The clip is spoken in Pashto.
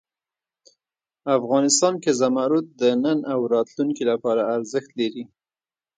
افغانستان کې زمرد د نن او راتلونکي لپاره ارزښت لري.